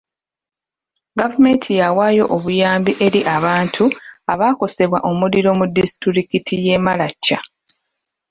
Gavumenti yawaayo obuyambi eri abantu abaakosebwa omuliro mu disitulikiti y'e Maracha.